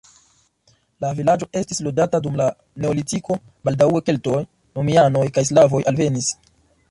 La vilaĝo estis loĝata dum la neolitiko, baldaŭe keltoj, romianoj kaj slavoj alvenis.